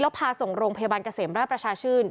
ที่เป็นโรงพยาบาลเกษมราชชื่น